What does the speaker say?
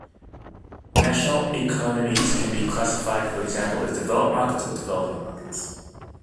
National economies can be classified, for example as developed markets or developing markets.